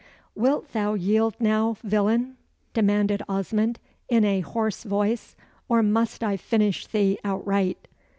"Wilt thou yield now, villain?" demanded Osmond, in a hoarse voice. "Or must I finish thee outright?"